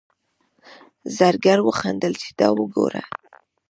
زرګر وخندل چې دا وګوره.